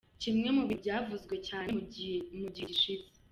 Kimwe mu bintu byavuzwe cyane mugiye gishize.